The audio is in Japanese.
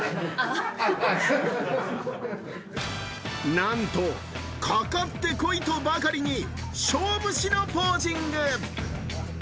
なんと、かかってこい！とばかりに勝負師のポージング。